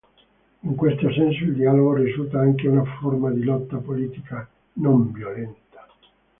In questo senso, il dialogo risulta anche una forma di lotta politica nonviolenta.